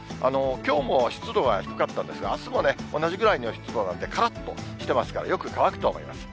きょうも湿度は低かったんですが、あすも同じぐらいの湿度なんで、からっとしてますから、よく乾くと思います。